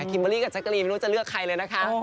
เบอร์รี่กับแจกรีนไม่รู้จะเลือกใครเลยนะคะ